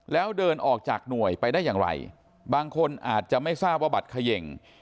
แล้วเดินออกจากหน่วยไปได้อย่างไรบางคนอาจจะไม่ทราบว่าบัตรเขย่ง